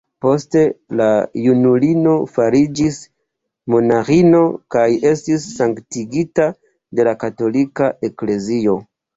Poste la junulino fariĝis monaĥino kaj estis sanktigita de la katolika Eklezio.